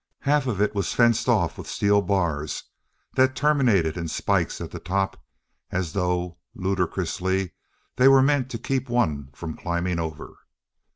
Half of it was fenced off with steel bars that terminated in spikes at the top as though, ludicrously, they were meant to keep one from climbing over.